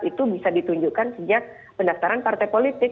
itu bisa ditunjukkan sejak pendaftaran partai politik